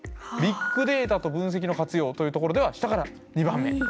「ビッグデータと分析の活用」というところでは下から２番目。